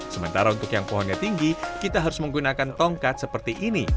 sementara untuk yang pohonnya tinggi kita harus menggunakan tongkat seperti ini